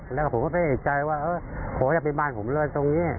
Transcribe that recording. และผมก็เป็นใจว่าโหอยากไปบ้านผมเลยตรงนี้